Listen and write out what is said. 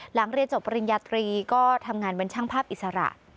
หลังเรียนจบปริญญาตรีก็ทำงานเป็นช่างภาพอิสระ